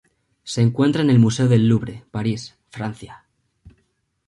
Se encuentra en el Museo del Louvre, París, Francia.